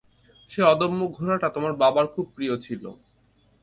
সেই অদম্য ঘোড়াটা তোমার বাবার খুব প্রিয় ছিল।